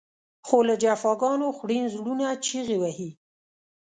خو له جفاګانو خوړین زړونه چغې وهي.